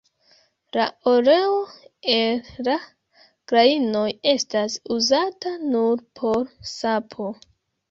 La oleo el la grajnoj estas uzata nur por sapo.